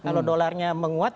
kalau dollarnya menguat